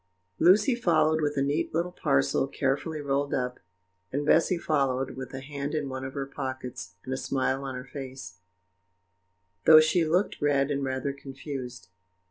Lucy followed with a neat little parcel, carefully rolled up; and Bessy followed, with a hand in one of her pockets, and a smile on her face, though she looked red and rather confused.